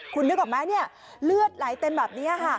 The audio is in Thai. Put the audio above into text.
คุณนึกออกไหมเลือดไหลเต็มแบบนี้ค่ะ